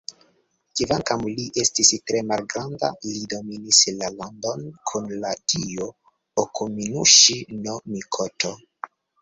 Kvankam li estis tre malgranda, li dominis la landon kun la dio Okuninuŝi-no-mikoto.